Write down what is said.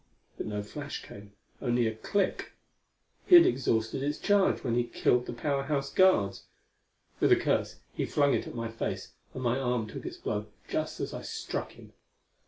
But no flash came: only a click. He had exhausted its charge when he killed the Power House guards. With a curse he flung it at my face, and my arm took its blow just as I struck him.